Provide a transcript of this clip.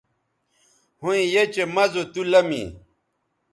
ھویں یھ چہء مَزو تُو لمی